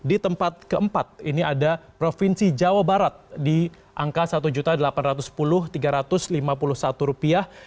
di tempat keempat ini ada provinsi jawa barat di angka satu delapan ratus sepuluh tiga ratus lima puluh satu rupiah